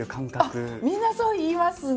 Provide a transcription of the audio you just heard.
あっみんなそう言いますね。